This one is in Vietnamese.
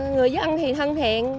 người dưới ăn thì thân thiện